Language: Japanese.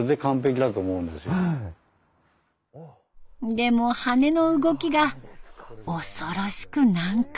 でも羽の動きが恐ろしく難解。